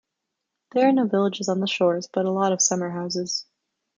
There are no villages on the shores, but a lot of summer houses.